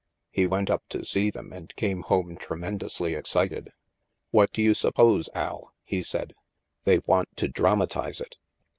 He went up to see them and came home tremen dously excited. " What do you suppose, Al," he said; " they want to dramatize it."